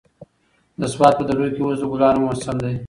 د سوات په درو کې اوس د ګلانو موسم دی.